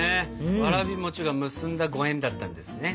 わらび餅が結んだご縁だったんですね。